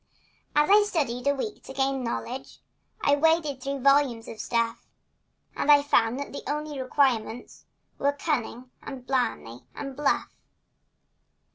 Then I studied a week to gain knowledge, And waded through volumes of stuff, And I found that the only requirements Were cunning and blarney and bluff.